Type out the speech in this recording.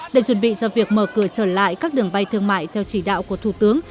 để chuẩn bị cho việc mở cửa trở lại các đường bay thương mại theo chỉ đạo của thủ tướng